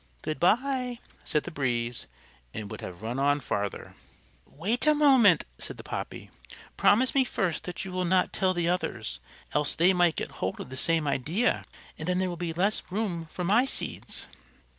"Good bye," said the Breeze, and would have run on farther. "Wait a moment," said the Poppy. "Promise me first that you will not tell the others, else they might get hold of the same idea, and then there would be less room for my seeds."